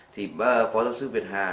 thì phó giáo sư việt hà